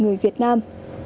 người việt nam